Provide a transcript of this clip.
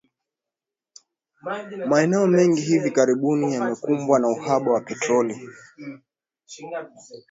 Maeneo mengi hivi karibuni yamekumbwa na uhaba wa petroli